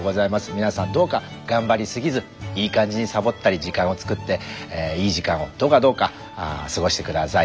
みなさんどうか頑張り過ぎずいい感じにさぼったり時間をつくっていい時間をどうかどうか過ごして下さい。